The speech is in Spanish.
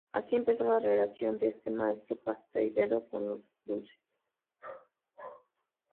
Así empezó la relación de este Maestro pastelero con los dulces.